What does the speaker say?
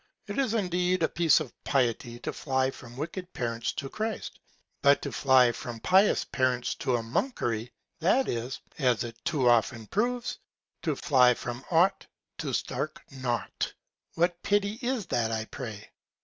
It is indeed a Piece of Piety to fly from wicked Parents to Christ: But to fly from pious Parents to a Monkery, that is (as it too often proves) to fly from ought to stark naught. What Pity is that I pray?